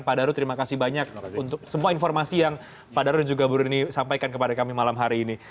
pak daru terima kasih banyak untuk semua informasi yang pak daru juga bu rini sampaikan kepada kami malam hari ini